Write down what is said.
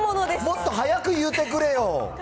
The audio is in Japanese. もっと早く言うてくれよ。